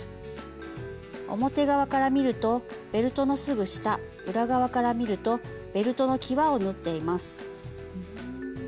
表側から見るとベルトのすぐ下裏側から見るとベルトのきわを縫っています。